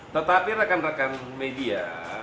tetapi rekan rekan media